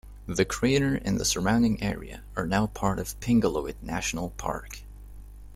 The crater and the surrounding area are now part of Pingualuit National Park.